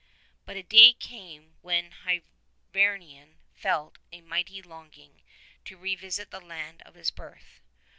But a day came when Hyvarnion felt a mighty longing to revisit the land of his birth.